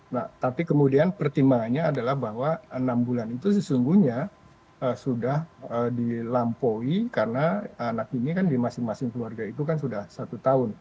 nah tapi kemudian pertimbangannya adalah bahwa enam bulan itu sesungguhnya sudah dilampaui karena anak ini kan di masing masing keluarga itu kan sudah satu tahun